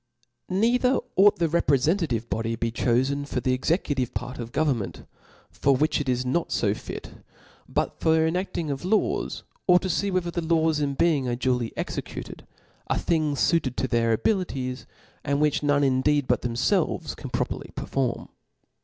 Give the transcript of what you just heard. Neither ought the reprefentative body to be chofen for the executive part of government, for which it is not fo fit ; but for the enacting of laws, or to fee whether the laws in being are duly executed, a thing fuited to their abilities, and which none indeed but themfelves can properly perform.